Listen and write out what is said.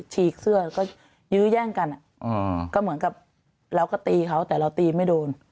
ฉีกเสื้อก็ยื้อแย่งกันก็เหมือนกับเราก็ตีเขาแต่เราตีไม่โดน